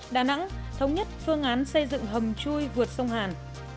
đà nẵng thống nhất phương án xây dựng hầm chui vượt sông hàn